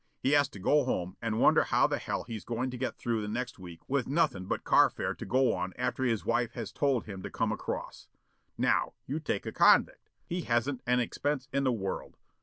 He has to go home and wonder how the hell he's goin' to get through the next week with nothin' but carfare to go on after his wife has told him to come across. Now you take a convict. He hasn't an expense in the world.